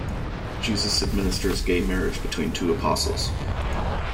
Jesus administers gay marriage between two apostles.